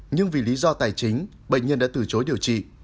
nhưng vì lý do tài chính bệnh nhân đã từ chối điều trị